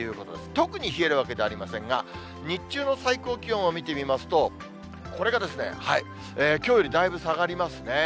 特に冷えるわけではありませんが、日中の最高気温を見てみますと、これがきょうよりだいぶ下がりますね。